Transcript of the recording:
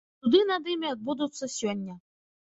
Суды над імі адбудуцца сёння.